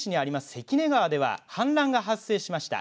関根川では氾濫が発生しました。